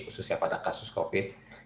khususnya pada kasus covid sembilan belas